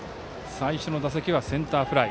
最初の打席はセンターフライ。